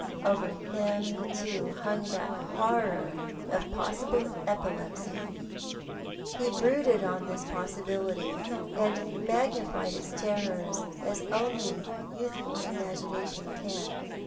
Over him, too, hung that horror of possible epilepsy. He brooded on this possibility, and magnified its terrors as only youthful imagination can.